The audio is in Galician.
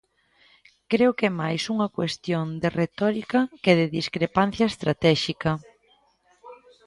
Creo que é máis unha cuestión de retórica que de discrepancia estratéxica.